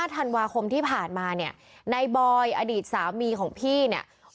ธันวาคมที่ผ่านมาเนี่ยนายบอยอดีตสามีของพี่เนี่ย